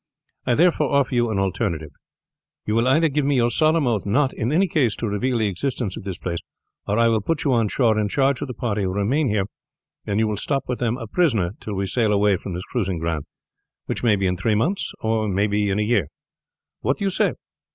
I therefore offer you an alternative. You will either give me your solemn oath not in any case to reveal the existence of this place, or I will put you on shore in charge of the party who remain here, and you will stop with them a prisoner till we sail away from this cruising ground, which may be in three months or may be in a year. What do you say?